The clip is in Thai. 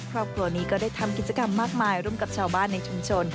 ครอบครัวนี้ก็ได้ทำกิจกรรมมากมายร่วมกับชาวบ้านในชุมชน